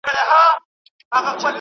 زه به درځم د توتکیو له سېلونو سره `